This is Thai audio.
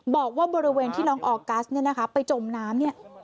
บอกว่าบริเวณที่น้องออกกัสเนี้ยนะคะไปจมน้ำเนี้ย